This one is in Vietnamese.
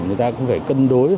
người ta cũng phải cân đối